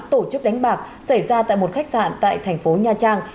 tổ chức đánh bạc xảy ra tại một khách sạn tại thành phố nha trang